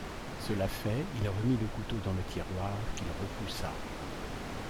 Cela fait, il remit le couteau dans le tiroir, qu’il repoussa.